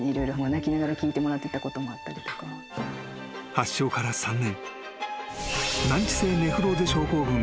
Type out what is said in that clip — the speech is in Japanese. ［発症から３年］